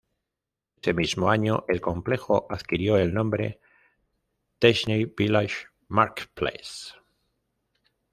Ese mismo año, el complejo adquirió el nombre "Disney Village Marketplace".